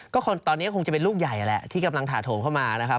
ก็ตอนนี้คงจะเป็นลูกใหญ่แหละที่กำลังถาโถมเข้ามานะครับ